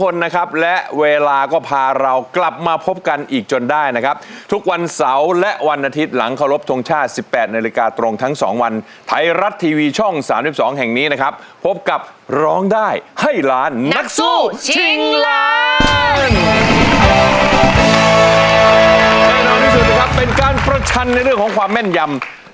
แน่นอนที่สุดนะครับเป็นการประชันในเรื่องของความแม่นยำ